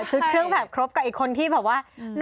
ชุดเครื่องแบบครบกับอีกคนที่แบบว่า